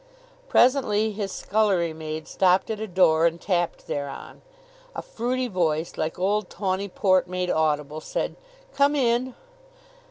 Presently his scullery maid stopped at a door and tapped thereon. A fruity voice, like old tawny port made audible, said: "Come in!"